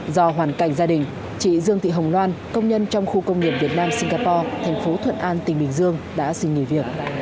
do hoàn cảnh gia đình chị dương thị hồng loan công nhân trong khu công nghiệp việt nam singapore thành phố thuận an tỉnh bình dương đã xin nghỉ việc